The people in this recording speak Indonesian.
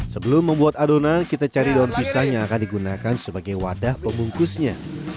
sebelum membuat adonan kita cari daun pisang yang akan digunakan sebagai wadah pembungkusnya